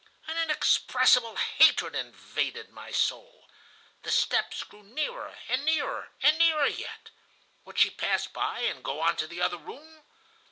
"An inexpressible hatred invaded my soul. The steps drew nearer, and nearer, and nearer yet. Would she pass by and go on to the other room?